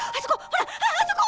ほらあそこ！